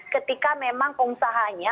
ketika memang pengusahanya